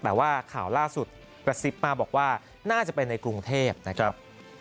แต่ว่าข่าวล่าสุดกระซิบมาบอกว่าน่าจะเป็นในกรุงเทพนะครับ